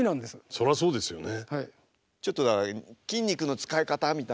それはそうですよね。